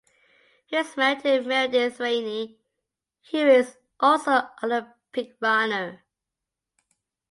He is married to Meredith Rainey, who is also an Olympic runner.